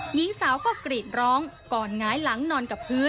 หญิงสาวก็กรีดร้องก่อนหงายหลังนอนกับพื้น